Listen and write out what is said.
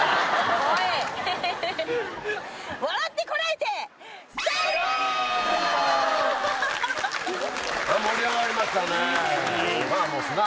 これ盛り上がりましたね。